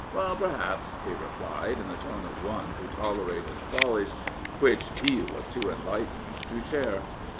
" Well, perhaps," he replied, in the tone of one who tolerated follies which he was too enlightened to share.